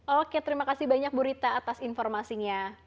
oke terima kasih banyak bu rita atas informasinya